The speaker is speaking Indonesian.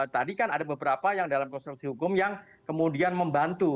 tadi kan ada beberapa yang dalam konstruksi hukum yang kemudian membantu